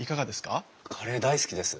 カレー大好きです！